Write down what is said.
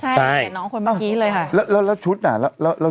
ใช่น้องคนน้ำเมื่อกี้เลยค่ะแล้วแล้วแล้วชุดน่ะแล้วแล้วแล้ว